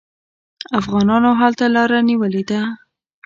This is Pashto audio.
افغانانو هلته لاره نیولې ده.